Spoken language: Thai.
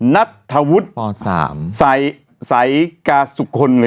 นัทธวุฒิสัยกาสุคคล